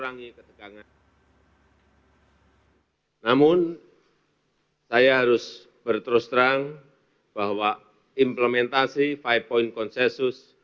namun saya harus berterus terang bahwa implementasi lima point konsensus